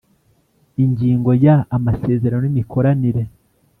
Ingingo ya Amasezerano y imikoranire